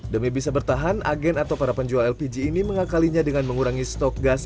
demi bisa bertahan agen atau para penjual lpg ini mengakalinya dengan mengurangi stok gas